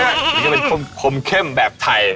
นี่คือไม่มีคมเข้มแบบไทย